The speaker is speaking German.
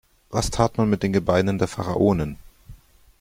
Was tat man mit den Gebeinen der Pharaonen?